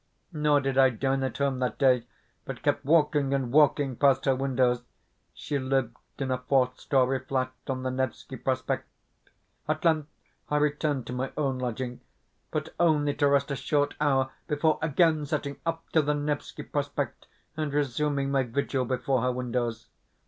Nor did I dine at home that day, but kept walking and walking past her windows (she lived in a fourth storey flat on the Nevski Prospect). At length I returned to my own lodging, but only to rest a short hour before again setting off to the Nevski Prospect and resuming my vigil before her windows.